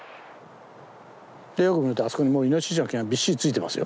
よく見るとあそこにもうイノシシの毛がびっしり付いてますよ。